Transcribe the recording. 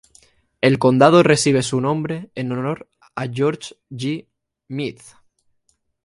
El condado recibe su nombre en honor a George G. Meade.